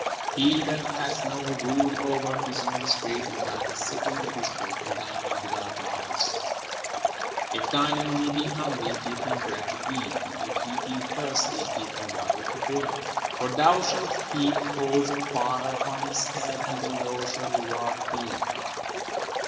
He that hath no rule over his own spirit is like a city that is broken down, and without walls. If thineenemy be hungry, give him bread to eat; and if he be thirsty, give him water to drink : For thou shalt heap coals of fire upon his head, and the Lord shall reward thee.